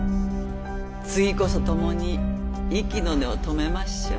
次こそともに息の根を止めましょう。